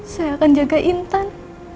saya akan jaga intan